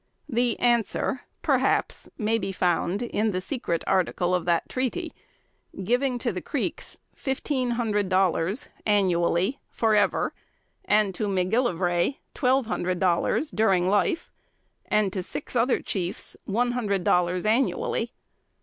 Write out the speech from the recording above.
The answer perhaps may be found in the secret article of that treaty, giving to the Creeks fifteen hundred dollars annually, forever, and to McGillivray twelve hundred dollars during life, and to six other chiefs one hundred dollars annually.